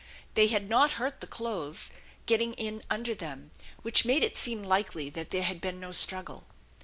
They had not hurt the clothes, getting in under them, which made it seem likely that there had been no struggle.